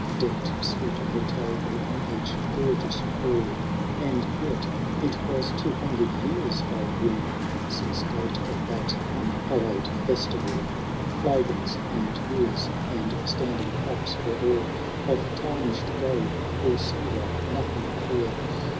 Decked stood the table in each gorgeous hall ; And yet it was two hundred years, I ween. Since date of that unhallowed festivaL Flagons, and ewers, and standing cups, were all Of tarnished gold, or silver nothing clear.